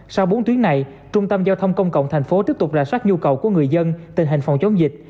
sau bốn tuyến này trung tâm giao thông công cộng tp tiếp tục ra soát nhu cầu của người dân tình hình phòng chống dịch